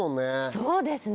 そうですね